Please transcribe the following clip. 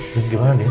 jangan jangan jangan